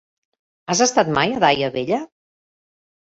Has estat mai a Daia Vella?